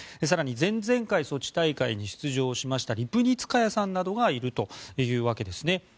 更に、前々回ソチ大会に出場しましたリプニツカヤさんなどがいるというわけですね。